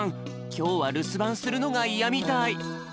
きょうはるすばんするのがイヤみたい。